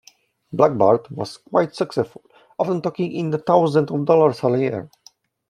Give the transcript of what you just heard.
Black Bart was quite successful, often taking in thousands of dollars a year.